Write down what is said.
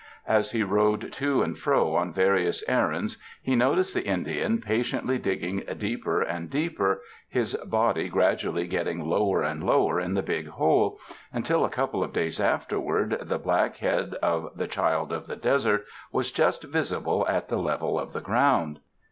As he rode to and fro on various errands he noticed the Indian patiently digging deeper and deeper, his body gradually getting lower and lower in the big hole, until a couple of days afterward the black head of the child of the desert was just visible at the level of the ground.